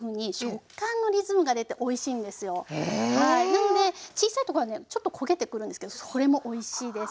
なので小さいところはねちょっと焦げてくるんですけどそれもおいしいです。